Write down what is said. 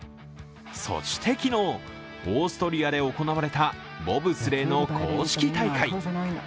そして、昨日オーストリアで行われたボブスレーの公式大会。